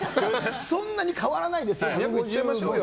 そんなに変わらないですよと。